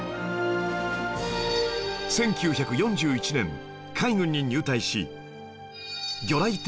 １９４１年海軍に入隊し